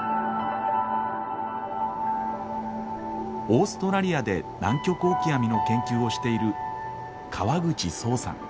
オーストラリアでナンキョクオキアミの研究をしている川口創さん。